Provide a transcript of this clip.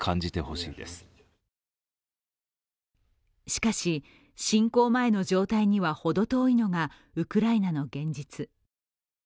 しかし、侵攻前の状態にはほど遠いのがウクライナの現実。